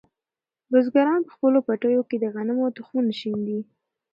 بزګران په خپلو پټیو کې د غنمو تخمونه شیندي.